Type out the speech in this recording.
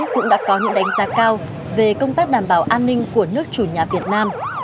cũng đã có những đánh giá cao về công tác đảm bảo an ninh của nước chủ nhà việt nam